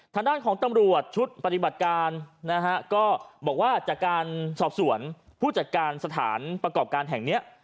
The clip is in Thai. ทางด้านของตำรวจชุดปฏิบัติการนะฮะก็บอกว่าจากการสอบสวนผู้จัดการสถานประกอบการแห่งเนี้ย